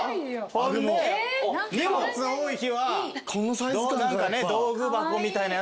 荷物多い日は道具箱みたいなやつとか。